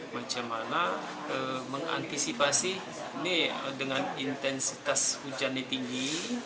bagaimana mengantisipasi ini dengan intensitas hujan yang tinggi